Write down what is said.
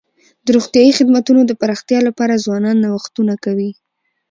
د روغتیايي خدمتونو د پراختیا لپاره ځوانان نوښتونه کوي.